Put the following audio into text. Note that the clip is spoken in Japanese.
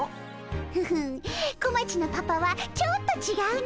フフッこまちのパパはちょっとちがうの。